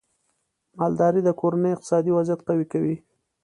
مالدارۍ د کورنیو اقتصادي وضعیت قوي کوي.